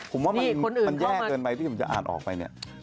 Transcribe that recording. ผมว่ามันแยกเกินไปที่จะอ่าดออกไป